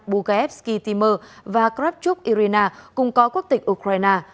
bugaevsky timur và kravchuk irina cùng có quốc tịch ukraine